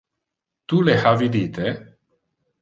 Tu le ha vidite?